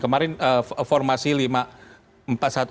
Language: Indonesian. kemarin formasi lima empat satu